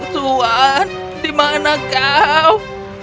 tuan di mana kau